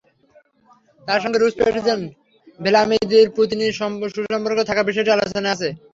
তাঁর সঙ্গে রুশ প্রেসিডেন্ট ভ্লাদিমির পুতিনের সুসম্পর্ক থাকার বিষয়টি আলোচনায় আছে।